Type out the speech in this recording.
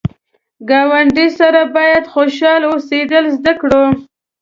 ګاونډي سره باید خوشحال اوسېدل زده کړو